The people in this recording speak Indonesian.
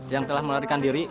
yang telah melarikan diri